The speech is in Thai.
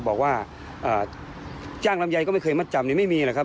บอกว่าจ้างลำไยก็ไม่เคยมัดจำไม่มีหรอกครับ